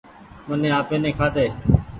مني آپي ني کآ ۮي۔